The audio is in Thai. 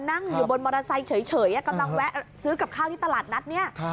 นั่งอยู่บนมอเตอร์ไซค์เฉยกำลังแวะซื้อกับข้าวที่ตลาดนัดเนี่ย